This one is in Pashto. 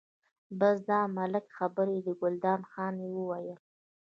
بس دا د ملک خبرې دي، ګلداد خان یې وویل.